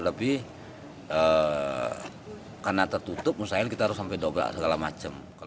tapi karena tertutup misalnya kita harus sampai doga segala macam